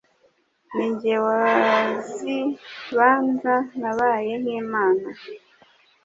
Ni jye wazibanza, Nabaye nk’Imana